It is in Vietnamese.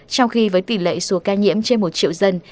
trong khi với tỷ lệ số ca nhiễm trên một triệu dân